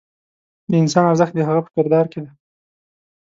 د انسان ارزښت د هغه په کردار کې دی.